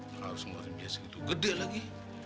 kalau semua biaya segitu gede lagi